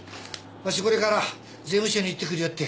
わしこれから税務署に行ってくるよって。